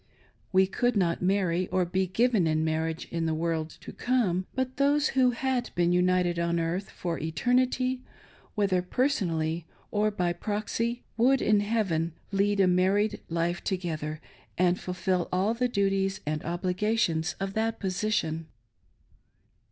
We could not marry or be given in marriage in the world to come ; but those who had been united on earth for eternity, whether personally or by proxy, would, in heaven, lead a married life together and fulfil all the duties and obligations of that position.